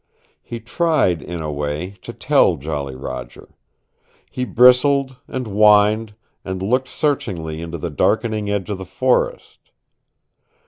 He tried, in a way, to tell Jolly Roger. He bristled, and whined, and looked searchingly into the darkening edge of the forest.